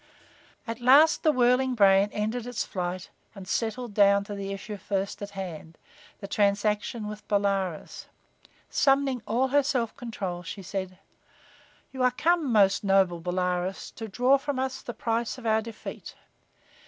At last the whirling brain ended its flight and settled down to the issue first at hand the transaction with Bolaroz. Summoning all her self control, she said: "You are come, most noble Bolaroz, to draw from us the price of our defeat.